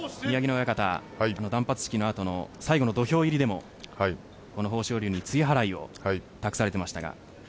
親方断髪式の後の最後の土俵入りでもこの豊昇龍に露払いを託されていましたが。